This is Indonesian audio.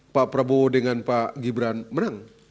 pak prabowo dengan pak gibran menang